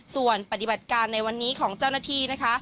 ส่วนปฏิบัติการในวันนี้ของเจ้าหน้าที่นะคะ